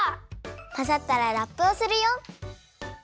まざったらラップをするよ！